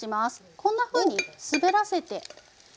こんなふうにすべらせて。